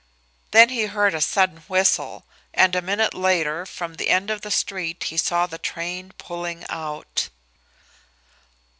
Then he heard a sudden whistle, and a minute later from the end of the street he saw the train pulling out.